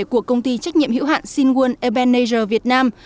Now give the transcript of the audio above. của công ty trách nhiệm hữu hạn sinh nguồn ebenezer việt nam